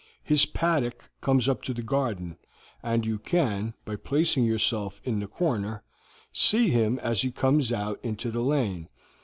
His paddock comes up to the garden, and you can, by placing yourself in the corner, see him as he comes out into the lane.